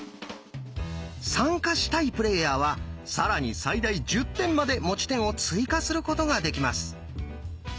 参加したいプレーヤーは更に最大１０点まで持ち点を追加することができます。